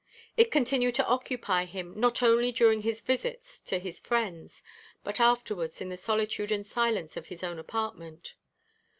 It continued to occupy him not only during his visits to his friends, but afterwards in the solitude and silence of his own apartment.